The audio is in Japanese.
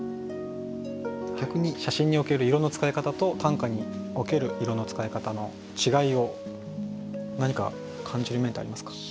逆に写真における色の使い方と短歌における色の使い方の違いを何か感じる面ってありますか？